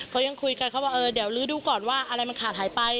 เขายังคุยกันเขาบอกเออเดี๋ยวลื้อดูก่อนว่าอะไรมันขาดหายไป